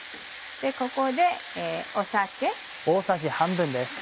ここで酒。